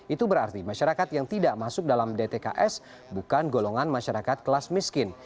itu berarti masyarakat yang tidak masuk dalam dtks bukan golongan masyarakat kelas miskin